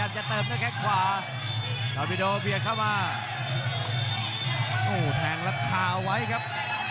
โอ้ดูครับก๊อกสุดท้ายครับ